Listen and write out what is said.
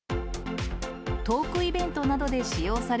トークイベントなどで使用さ